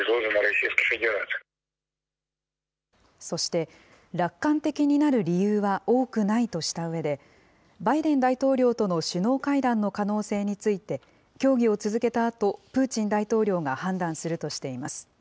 そして、楽観的になる理由は多くないとしたうえで、バイデン大統領との首脳会談の可能性について、協議を続けたあと、プーチン大統領が判断するとしています。